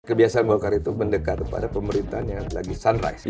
kebiasaan golkar itu mendekat kepada pemerintahan yang lagi sunrise